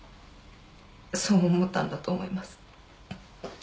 そう思ったんだと思います。